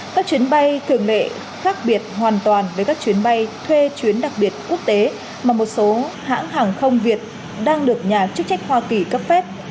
các chuyến bay thường lệ khác biệt hoàn toàn với các chuyến bay thuê chuyến đặc biệt quốc tế mà một số hãng hàng không việt đang được nhà chức trách hoa kỳ cấp phép